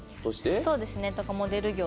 そうですね。とかモデル業とか。